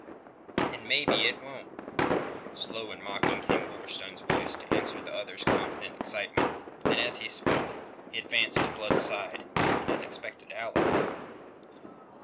"And maybe it won't." Slow and mocking came Wolverstone's voice to answer the other's confident excitement, and as he spoke he advanced to Blood's side, an unexpected ally.